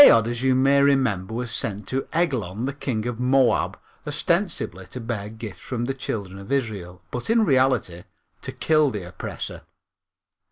Aod, as you may remember, was sent to Eglon, the king of Moab, ostensibly to bear gifts from the Children of Israel, but, in reality, to kill the oppressor.